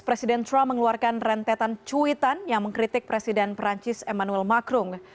presiden trump mengeluarkan rentetan cuitan yang mengkritik presiden perancis emmanuel macrum